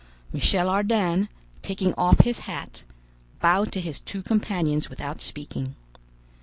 Michel Ardan, taking off his hat, bowed to his two companions without speaking.